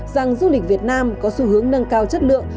rằng du lịch việt nam có xu hướng nâng cao chất lượng